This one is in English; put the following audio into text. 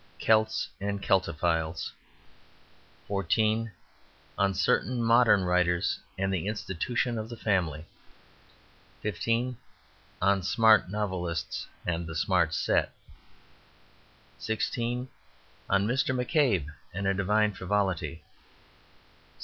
Celts and Celtophiles 14. On Certain Modern Writers and the Institution of the Family 15. On Smart Novelists and the Smart Set 16. On Mr. McCabe and a Divine Frivolity 17.